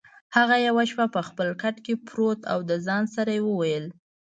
هغه یوه شپه په خپل کټ کې پرېوت او د ځان سره یې وویل: